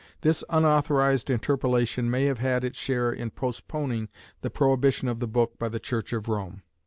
This unauthorised interpolation may have had its share in postponing the prohibition of the book by the Church of Rome.